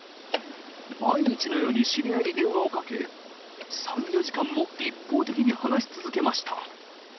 毎日のように知り合いに電話をかけ３４時間も一方的に話し続けました。